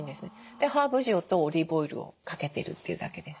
でハーブ塩とオリーブオイルをかけてるというだけです。